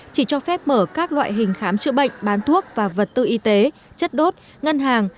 chỉ cho phép mở các loại hình khám chữa bệnh bán thuốc và vật tư y tế chất đốt ngân hàng